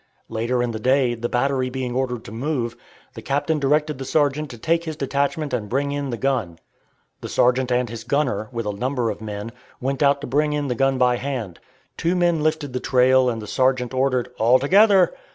Later in the day the battery being ordered to move, the captain directed the sergeant to take his detachment and bring in the gun. The sergeant and his gunner, with a number of men, went out to bring in the gun by hand. Two men lifted the trail and the sergeant ordered, "All together!"